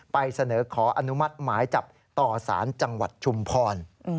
ไปเสนอขออนุมัติหมายจับต่อสารจังหวัดชุมพร